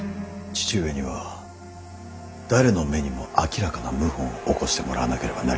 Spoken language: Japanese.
父上には誰の目にも明らかな謀反を起こしてもらわなければなりません。